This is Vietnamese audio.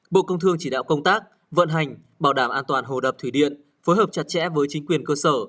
bộ công thương chỉ đạo công tác vận hành bảo đảm an toàn hồ đập thủy điện phối hợp chặt chẽ với chính quyền cơ sở